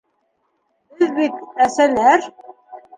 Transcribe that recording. Беҙ бит... әсәләр!